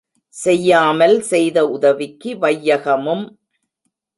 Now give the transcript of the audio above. செய்யாமல் செய்த உதவிக்கு வையகமும்